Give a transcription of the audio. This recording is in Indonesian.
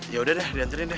ya udah deh dianterin deh